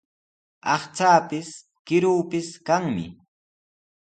Aqchaapis, kiruupis kanmi.